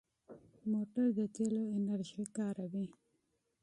موټر د تېلو انرژي کاروي.